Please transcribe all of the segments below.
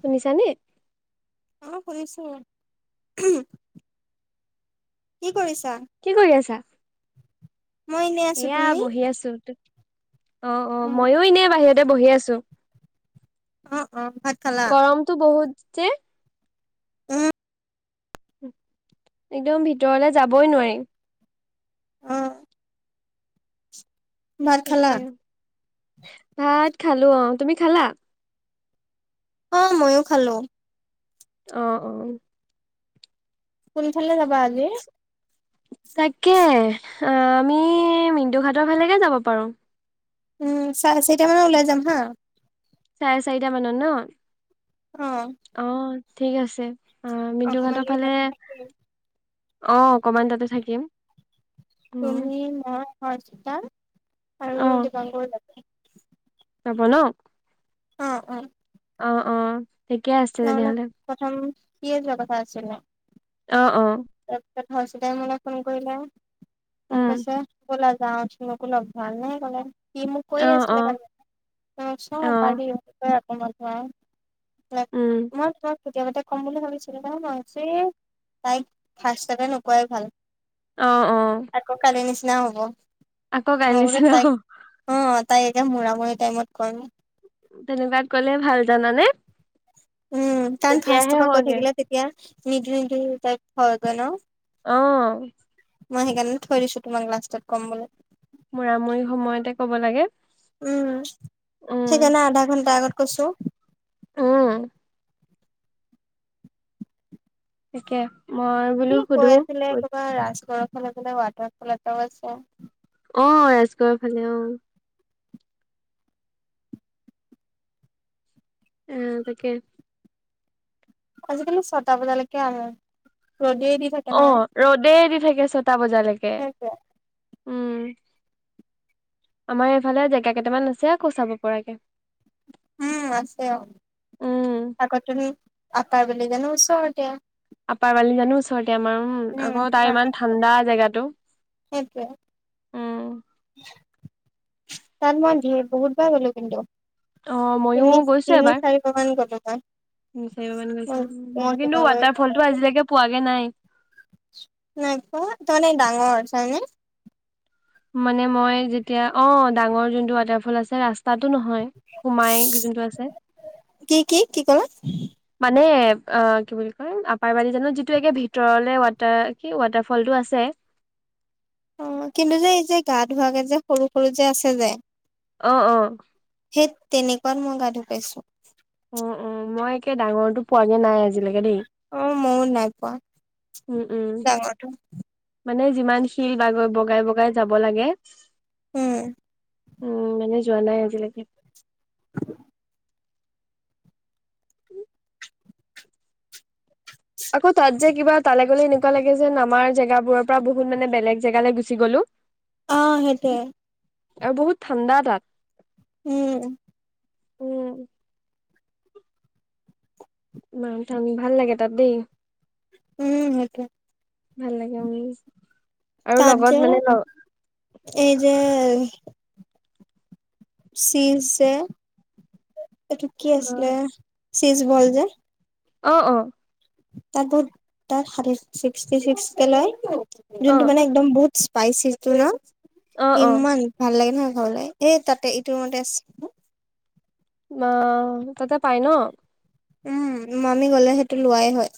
শুনিছানে। অ শুনিছো। কি কৰিছা কি কৰি আছা? মই এনেই আছো এয়া তুমি। বহি আছো অ অ মইো এনে বাহিৰতে বহি আছো। অ। ভাত খালা গৰমটো বহুত যে। উম। একদম ভিতৰলে যাবই নোৱাৰি। অহ। ভাত খালা। তাকে ভাত খালো অ তুমি খালা। অ ময়ো খালো। অহ অহ। কোনফালে যাবা আজি। আহ আমি মিন্দু ঘাটৰ ফালেকে যাব পাৰো। উম চাই চাৰিটা মানত ওলাই যাম হা। চাৰে চাৰিটা মানত ন অ অ ঠিক আছে। অ মিণ্টু অকমান ঘাটৰ দেৰি ফালে তাতে থাকিম অ অকমান তাতে থাকিম। উম তুমি, মই, হৰ্চিতা অ আৰু দিবাংগও যাব। যাব ন। অ উম। অ অ ঠিকে আছে তেনেহলে। কি আছিল কথা আছিলে। অ অ তাৰপিছত হৰ্চিতাই মোলে ফোন কৰিলে মোক উম কৈছে বলা। যাওঁ তোমাকো লগ ধৰা তেনেকে কলে। সি মোক অ কৈ অ আছিলে কালি অ চব। মই উম তোমাক কেতিয়াবাতে কম বুলি ভাবিছিলো ন মইযে তাইক। ফাষ্টতে নোকোৱাই ভাল। অহ অহ। আকৌ কালি নিচিনা হ'ব অ বোলো নিচিনা তাইক অ তাই এতিয়া মূৰামুৰি টাইমত কই ন। তেনেকুৱাত ক'লে ভাল জানানে উম কাৰণ তেতিয়াহে ফাষ্টৰপা কৈ হয়গে থাকিলে তেতিয়া নিদু নিদু টাইপ হয় গৈ ন অহ মই সেইকাৰণে থৈ দিছো তোমাক লাষ্টত ক'ম বুলি মুৰামুৰি সময়তে কব লাগে উম উম সেইকাৰণে আধা ঘণ্টা আগত কৈছো উ [unintelligible] তাকে মই বোলো ই সুধো কৈ আছিলে ক'ত ক'ৰবাৰ ৰাজ গঢ়ফালে গলে ৱাটাৰফল এটাও আছে অ ৰাজগৰ ফালে অ আহ তাকে আজিকালি ছটা বজালৈকে আহে ৰ'দেই দি থাকে অ নহয় ৰ'দে দি থাকে ছটা বজালৈকে সেইটোৱে উম। আমাৰ এইফালে জেগা কেইটামান আছে আকৌ চাব পৰাকে উম আছে উম আগত তুমি আপ বুলি জানো ওচৰতে। আপাৰ বালি জানো ওচৰত। এতিয়া আমাৰ উম আকৌ তাৰ ইমান ঠাণ্ডা জেগাতো। সেইটোৱে তাত মই বহুত বাৰ গলো কিন্তু। অ মইয়ো তিনি তিনি চাৰি বাৰ মান গলো তাত। চাৰি বাৰ মান গৈছা মই কিন্তু ৱাটাৰ ফলটো আজিলৈকে পোৱাগে নাই। নাই পোৱা তাৰমানে ডাঙৰ চয়নে মানে মই যেতিয়া অ ডাঙৰ যোনটো ৱাটাৰফল আছে ৰাস্তাত। টোনহয় সোমাই যোনটো আছে কি কি কি ক'লা মানে। অ কি বুলি কয় আপাৰবাদী যেনে যিটো একে ভিতৰলে ৱাটাৰ কি ৱাটাৰ ফলটো আছে [unintelligible] অ কিন্তু যে এই যে গা ধুৱাকে যে সৰু সৰু যে আছে যে। অ অ সেই তেনেকুৱাত মই গা ধুই পাইছো। উ উ মই একে ডাঙৰটো পোৱাগে নাই আজিলৈকে দেই। অ ময়ো নাই পোৱা উম উম ডাঙৰটো। মানে যিমান শিল বাগৈ বগাই বগাই যাব লাগে হম উম মানে যোৱা নাই আজিলৈকে। আকৌ তাত যে কিবা তালে গলে এনেকুৱা লাগে যেন আমাৰ জেগাবোৰৰ পৰা বহুত মানে বেলেগ জেগালে গুচি গ'লো। অ সেইটোৱে আৰু বহুত ঠাণ্ডা তাত। উম উম মাওথাঙ ভাল লাগে তাত দেই। উম সেইটোৱে ভাল লাগে উম আৰু তাত যে লগত মানে। এই যে চিজ যে এইটো কি অ আছিলে চিজ বল যে অ অ তাত বহুত তাত ষাঠী ছিক্সতি ছিক্সতি লয় অ জোনটো মানে একদম বহুত স্পাইচিটো ন অ অ ইমান ভাল লাগে নহয় হলে এ তাতে ইটো মতে আছে। অ তাতে পাই ন। উম আমি গ'লে সেইটো লোৱাই হয়।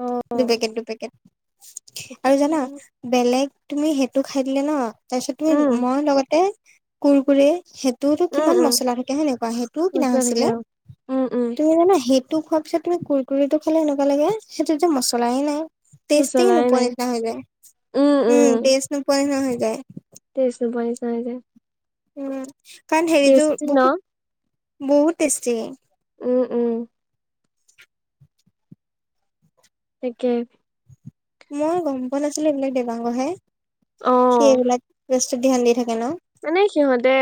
অ দুপেকেট দুপেকেট আৰু জানা বেলেগ। তুমি সেইটো খাই দিলে ন তাৰপিছত উম তুমি মই লগতে কুৰ কুৰে তোৰতো উম কিমান উম মচলা থাকে হয়নে কোৱা সেইটোও কিনা মছলা থাকে হৈছিলে অ উম উম তুমি জানা সেই টো খোৱাৰ পিছত তুমি কুৰকুৰিটো খালে সেনেকুৱা লাগে সেইটোত যে মছলাই নাই। টেষ্টে মচলাই নোপোৱা নাই নিচিনা হৈ যায়। উম টেষ্ট নোপোৱা নিচিনা হৈ যায়। তেজ নোপোৱা নিচিনা হৈ যায় উম কাৰণ হেৰিযোৰ টেষ্টি ন বহুত বহুত টেষ্টি উম-উম তাকে [inaudible] মই গম পোৱা নাছিলো এইবিলাক দেবাংগহে অ সেইবিলাক বস্তু ধ্যান দি থাকো মানে সিহঁতে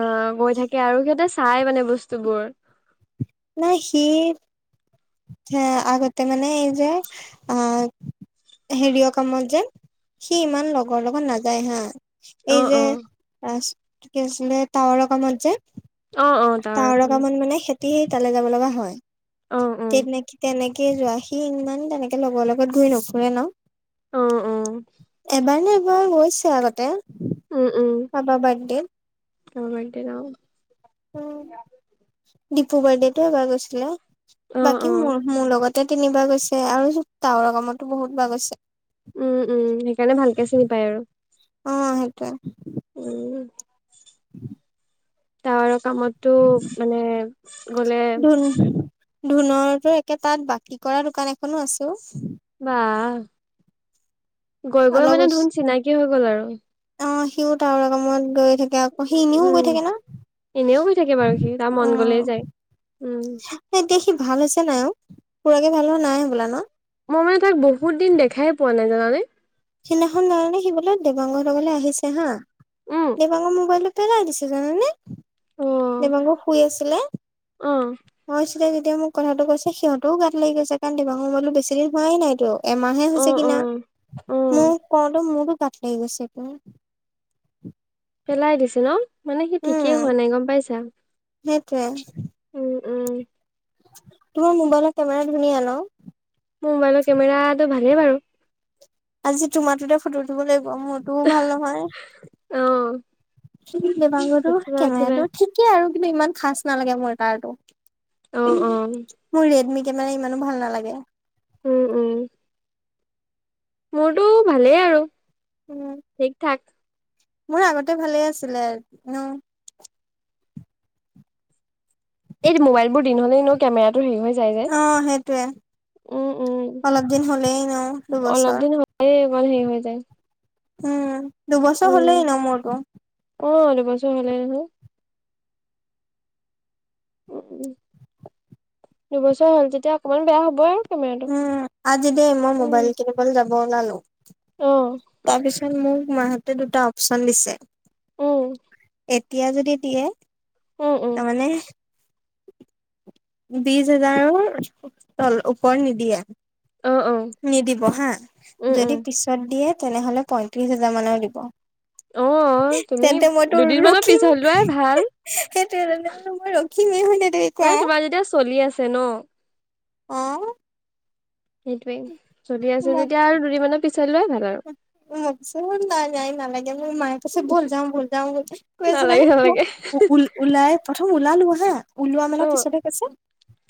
আহ গৈ থাকে আৰু সিহঁতে চাই মানে বস্তুবোৰ নাই সি হা আগতে মানে এই যে আ হেৰিয় কামত যে সি ইমান লগৰ লগত নাযায় হা [unintelligible] অ এই যে অ তাচটো কি আছিলে টাৱৰ ৰ কামত যে অ অ [inaudible] তাৰ তাৱৰ কামত মানে সে সিহঁতি তালৈ যাব লগা হয় অ অ তেনেকি তেনেকি [unintelligible] যোৱা সি ইমান তেনেকে লগৰ লগত ঘূৰি নুফুৰে ন [unintelligible] আহ-আহ মাইনেবাৰ গৈছে আগতে [unintelligible] কাবা বাৰ্থডেত অ বাৰ্থডেত য়াও ডিপু বাৰ্থডেটো এবাৰ গৈছিলে অ বাকী অ মোৰ মোৰ লগত তিনিবাৰ গৈছে আৰু জোতাৰ কামতো বহুত বাৰ গৈছে [inaudible] উম উম সেইকাৰণে ভালকে চিনি পায় আৰু [unintelligible] অ সেইটোয়ে উম [inaudible] টাৱাৰৰ কামতটো মানে গলে ধোনৰয়ে একে তাত বাকী কৰা দোকান এখনো আছো ও বা গৈ গৈ অলপ মানে ওচ ধোন চিনাকি হৈ গল আৰু অ সিও তাৰ কামত গৈ থাকে আকৌ সি এনেও উম গৈ থাকে ন এনেও গৈ থাকে বাৰু সি তাৰ মন গ'লেই যায় উম এতিয়া সি ভাল হৈছে নাই আও পুৰাকে ভাল হোৱা নাই হবলা ন মই মানে তাক বহুত দিন দেখাই পোৱা নাই জানানে সিদিনাখন জানানে সি বোলে দেবাংগহঁতৰ ঘৰলে আহিছে হা উম দেবাংগৰ মোবাইলত পেলাই দিছে জানানে অ দেৱাগং শুই আছিলে অ মই আছিলো এতিয়া মোক কথাটো কৈছে সিহঁতেও গাত লাগি গৈছে কাৰণ দেবাংগ মোবাইলটো বেছি দিন হোৱাই নাইতো এমাহে অ হৈছে অ কিনা অ মোক কওঁতো মোৰতো তাত লৈ গৈছে প পেলাই দিছে ন মানে সি ঠিকেই হোৱা নাই গম পাইছা সেইটোৱে উম-উম তোমাৰ মোবাইলত কেমেৰা ধুনীয়া ন? মোবাইলৰ কেমেৰাটো ভালেই বাৰু আজি তোমাৰটোতে ফটো উঠিব লাগিব মোৰটো ভাল নহয় অ দেবাংগটো উঠিবা উঠিবা কেমেৰাটো ঠিকেই আৰু কিন্তু ইমান খাজ নালাগে মোৰ তাৰটো। অ-অ দে মানে ইমানো ভাল নালাগে। উম-উম মোৰটো ভালেই আৰু উম ঠিক-ঠাক মোৰ আগতে ভালেই আছিলে ন? এই মোবাইলবোৰ দিন হ'লে নো কেমেৰাটো হেৰি হৈ যায় যে অ সেইটোয়ে উম উম অলপ দিন হ'লেই এনেও দুবছৰ [unintelligible] সেই হৈ যায় [inaudible] উম দুবছৰ হলেই উম এনেও মোৰটো। অ দুবছৰ হলেই নহয়। উম ও দুবছৰ হ'ল যেতিয়া অকমান বেয়া হবই। কেমেৰাটো উম আজি যে মই উম মোবাইল কিনিবলে যাব ওলালো। অ তাৰপিছত মোক মাহতে দুটা অপচন দিছে। উম। এতিয়া যদি দিয়ে উম উম তাৰ মানে বিশ হাজাৰৰ ওপৰ নিদিয়ে। অ অ নিদিব হা উম যদি উম পিছত দিয়ে তেনেহলে পয়ত্ৰিশ হেজাৰ মানৰ দিব। অ তুমি তেন্তে দুদিনমানৰ পিছত লোৱাই ভাল সেইটোৱেটো মই ৰখিমেই হয় নাই তুমি কোৱা তেন অহ। সেইটোৱে চলি আছে মই যেতিয়া আৰু দুদিন মান হেল্ল। মোকচোন না নাই নালাগে মোৰ মায়ে কৈছে বল যাওঁ বল যাওঁ বল যাওঁ কৈ আছে নালাগে নহয় নালাগে মোক। ওল ওলাই থ ওলালো হা ওলোৱা মানৰ অ পিছতহে কৈছে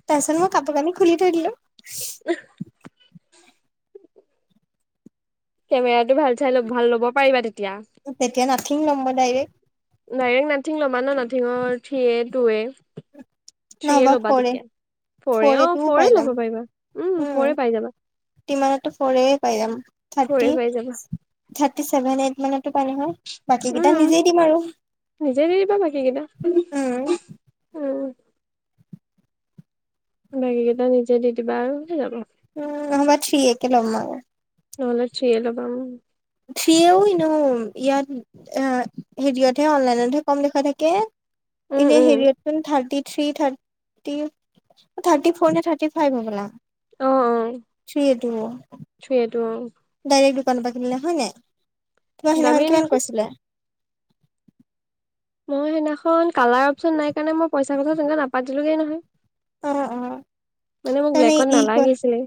তাৰ পিছত মই কাপোৰ কানি খুলি থৈ দিলো উহ [inaudible] কেমেৰাতটো ভাল চাই ল ভাল ল'ব পাৰিবা তেতিয়া। তেতিয়া নাথিং ল'ম মই ডাইৰেক্ট নাইৰেক্ট নাথিং ল'বা ন নাথিঙৰ থ্ৰি এ টু এ থ্ৰি নহবা ল'বা ফৰে তেতিয়া ফৰ ফ'ৰে এ অ টোও পাই ফ'ৰে যাম ল'ব পাৰিবা উম ফ'ৰে পাই যাবা। ইমানতো ফৰ এ পাই যাম ফ'ৰ এ থ্টি পাই যাবা থাৰ্টিছেভেন এইট মানত। এইটো পালে হয়। বাকী কেইটা উম নিজেই দিম আৰু নিজে দি দিবা বাকী কেইটা উম। উম বাকী কেইটা নিজে দি দিবা আৰু হৈ যাব। উম নহবা থ্ৰী এ কে লম মই। নহলে থ্ৰী লবা উম। থ্ৰ্ৰীও এনেও ইয়াত হেৰিতহে অনলাইনতহে কম লেখা থাকে। উম এনেই উম হেৰিত চোন thirty three thirty thirty four নে থাৰ্টি ফাইভ হবলা? অ' অ' থ্ৰী এইটো। থ্ৰী এ টো অ' দোকানৰ পৰা কিনিলে হয় নাই? তোমাৰ সিদিনাখন দামেই কিমান নেকি কৈছিলে? মই সেইদিনাখন কালাৰ অপশচন নাই কাৰণে মই পইচা কথা তেনেকে নাপাতিলো গেই নহয়। অ অ মানে মোক তাৰমানে ব্লেকত ই কৈ নালাগিছিলে।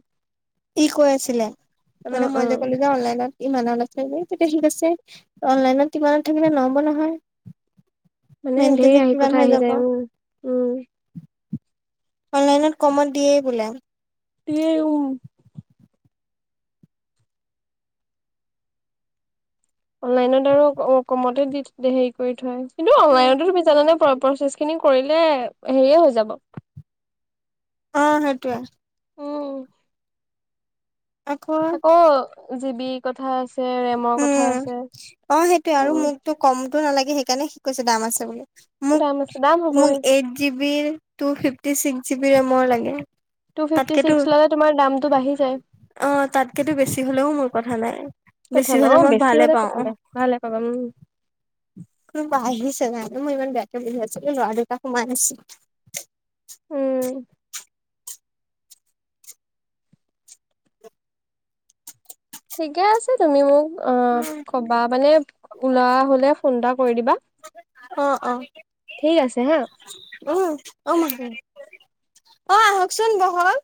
ই কৈ আছিলে তাৰ মানে অ' মই যে অ' ক'লো যে অনলাইন ইমানত আছে যে তেতিয়া সি কৈছে অনলাইনত ইমানত থাকিলে নহব নহয়। মানে মেইনকে ধেৰ যে আহি কিমান কথা হৈ আহি যাব যায় উম উম। অনলাইনত কমত দিয়েই বোলে। দিয়ে ও। অনলাইনত আৰু কমতে দি হেৰি কৰি থয় কিন্তু অনলাইনতো তুমি জানানে প্ৰচেছ খিনি কৰিলে হেৰিয়ে হৈ যাব। অ সেইটোৱে। উম আকৌ জিৱি কথা ৰেমৰ কথা উম আছে অ সেইটোয়ে আৰু উম মোকতো কমতো নালাগে। সেই কাৰণে সি কৈছে দাম আছে বুলি দাম আছে দাম হ'বই মোক এইট জীৱি টু ফিফটি টি ছিক্স জিবি ৰেমৰ লাগে। টু ফিফটি তাতকেতো চিক্স ললে তোমাৰ দামটো বাঢ়ি যায়। অ তাতকেতো বেছি হলেও মোৰ কথা নাই। কথা বেছি ন হলে অ মই বেছি ভালে হলে পাওঁ। কথা অ নাই ভালে পাম উম। কোনোবা আহিছে ন মই ইমান বেয়াকে বহি আছো ল'ৰা দুটা সোমাই আহিছে। উম [unintelligible] ঠিকে আছে তুমি মোক অ কবা মানে ওলোৱা হলে ফোন এটা কৰি দিবা। অ অ ঠিক আছে হা অ অ মা। উম অ আহকচোন বহক।